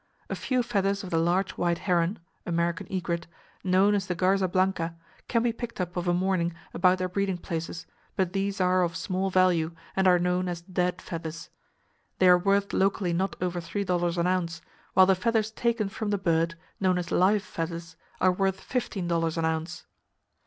A few feathers of the large white heron (American egret), known as the Garza blanca, can be picked up of a morning about their breeding places, but these are of small value and are known as "dead feathers." They are worth locally not over three dollars an ounce; while the feathers taken from the bird, known as "live feathers," are worth fifteen dollars an ounce.